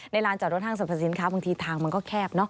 ลานจอดรถห้างสรรพสินค้าบางทีทางมันก็แคบเนาะ